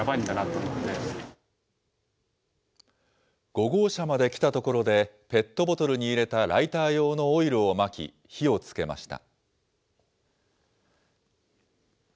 ５号車まで来たところで、ペットボトルに入れたライター用のオイルをまき、火をつけました。